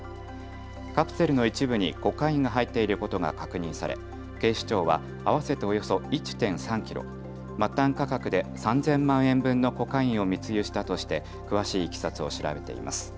カプセルの一部にコカインが入っていることが確認され警視庁は合わせておよそ１．３キロ、末端価格で３０００万円分のコカインを密輸したとして詳しいいきさつを調べています。